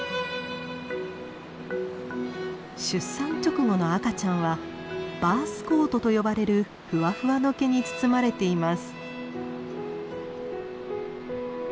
出産直後の赤ちゃんは「バースコート」と呼ばれるフワフワの毛に包まれています。